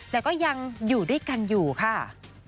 แต่ก็ยังอยู่ด้วยกันอยู่ค่ะ